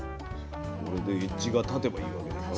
これでエッジが立てばいいわけでしょ。